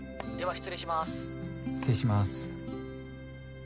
失礼します。